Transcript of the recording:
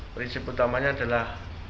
prinsip utamanya adalah